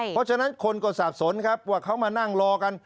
เพราะฉะนั้นคนก็สับสนครับว่าเขามานั่งรอกัน